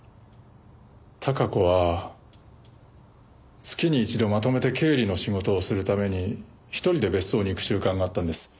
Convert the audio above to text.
孝子は月に１度まとめて経理の仕事をするために１人で別荘に行く習慣があったんです。